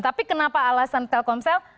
tapi kenapa alasan telkomsel